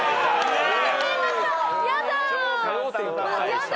やだ。